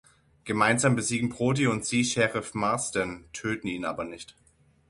Gemeinsam besiegen Brody und sie Sheriff Marsden, töten ihn aber nicht.